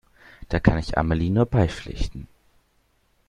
Da kann ich Amelie nur beipflichten.